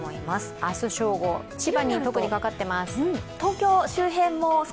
明日、正午、千葉に特にかかっています。